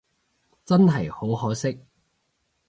真係好可惜